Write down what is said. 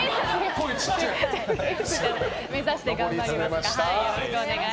目指して頑張りますが。